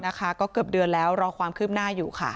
นะคะก็เกือบเดือนแล้วรอความคืบหน้าอยู่ค่ะ